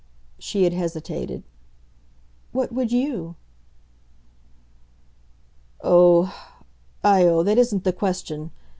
She had hesitated. "What would you?" "Oh; I oh that isn't the question.